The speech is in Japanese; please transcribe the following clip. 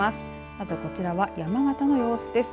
まずこちらは、山形の様子です。